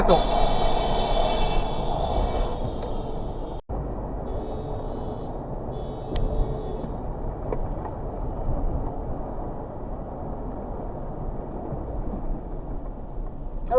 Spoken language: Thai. ก็ไปเลย